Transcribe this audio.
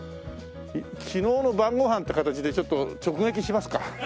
「昨日の晩ご飯」って形でちょっと直撃しますか。